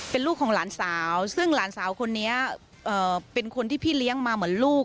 เป็นลูกของหลานสาวซึ่งหลานสาวคนนี้เป็นคนที่พี่เลี้ยงมาเหมือนลูก